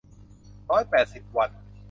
ร้อยแปดสิบวัน